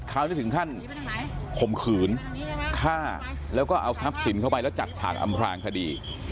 คราวนี้ถึงขั้นข่มขืนฆ่าแล้วก็เอาทรัพย์สินเข้าไปแล้วจัดฉากอำพลางคดี